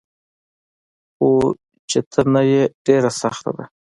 خو چي ته نه يي ډيره سخته ده